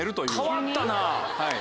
変わったな。